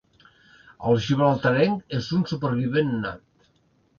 El gibraltarenc és un supervivent nat.